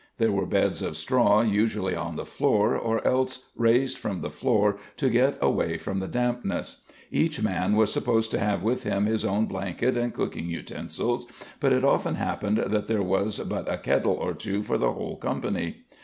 There were beds of straw usually on the floor or else raised from the floor to get away from the dampness. Each man was supposed to have with him his own blanket and cooking utensils, but it often happened that there was but a kettle or two for the whole company.